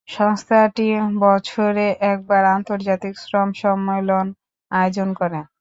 সংস্থাটি বছরে একবার আন্তর্জাতিক শ্রম সম্মেলন আয়োজন করে।